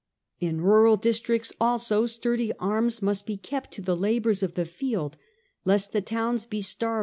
In the rural districts also sturdy arms must be kept to the labours of the field, lest the towns be starved 4°.